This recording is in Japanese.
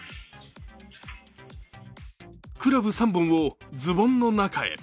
クラブ３本をズボンの中へ。